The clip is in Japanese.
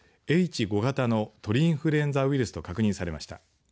Ｈ５型の鳥インフルエンザウイルスと確認されました。